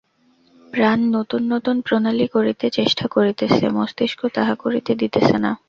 প্রাণ নূতন নূতন প্রণালী করিতে চেষ্টা করিতেছে, মস্তিষ্ক তাহা করিতে দিতেছে না।